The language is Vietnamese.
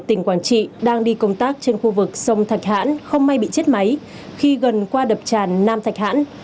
tỉnh quảng trị đang đi công tác trên khu vực sông thạch hãn không may bị chết máy khi gần qua đập tràn nam thạch hãn